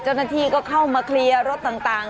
เจ้าหน้าที่ก็เข้ามาเคลียร์รถต่าง